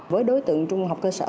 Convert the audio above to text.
với đối tượng trung học cơ sở